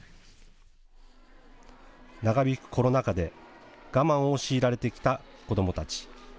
長引くコロナ禍で我慢を強いられてきた子どもたち。